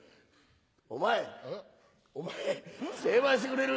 お前お前成敗してくれる。